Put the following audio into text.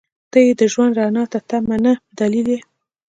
• ته د ژوند رڼا ته تمه نه، دلیل یې.